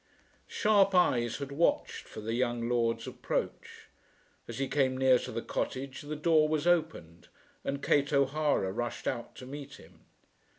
Sharp eyes had watched for the young lord's approach. As he came near to the cottage the door was opened and Kate O'Hara rushed out to meet him.